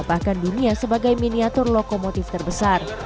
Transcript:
bahkan dunia sebagai miniatur lokomotif terbesar